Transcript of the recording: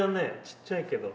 ちっちゃいけど。